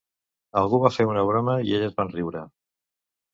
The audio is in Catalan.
Algú va fer un broma i elles van riure.